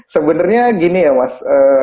sebenarnya gini ya mas